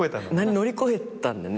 乗り越えたんだよね。